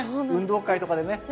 運動会とかでね。